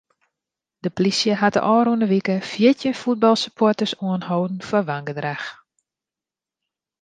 De plysje hat de ôfrûne wike fjirtjin fuotbalsupporters oanholden foar wangedrach.